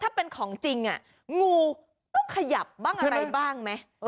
ถ้าเป็นของจริงงูต้องขยับบ้างอะไรบ้างไหม